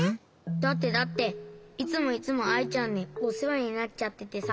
だってだっていつもいつもアイちゃんにおせわになっちゃっててさ。